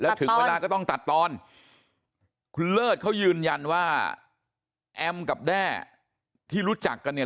ถึงเวลาก็ต้องตัดตอนคุณเลิศเขายืนยันว่าแอมกับแด้ที่รู้จักกันเนี่ย